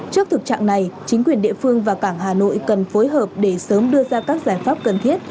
trước thực trạng này chính quyền địa phương và cảng hà nội cần phối hợp để sớm đưa ra các giải pháp cần thiết